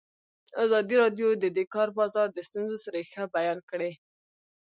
ازادي راډیو د د کار بازار د ستونزو رېښه بیان کړې.